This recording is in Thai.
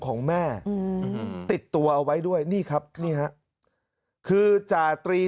ของแม่อืมติดตัวเอาไว้ด้วยนี่ครับนี่ฮะคือจาตรี